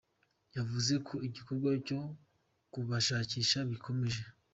Yavuze ko igikorwa cyo kubashakisha gikomeje.